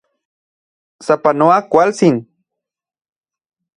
¡Sapanoa kualtsin!